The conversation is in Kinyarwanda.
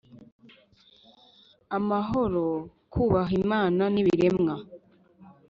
amahoro kubaha Imana n ibiremwa